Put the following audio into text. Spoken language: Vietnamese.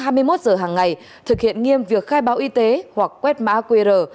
phải đóng cửa trước hai mươi một giờ hàng ngày thực hiện nghiêm việc khai báo y tế hoặc quét mã qr